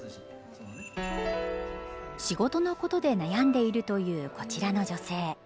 仕事のことで悩んでいるというこちらの女性。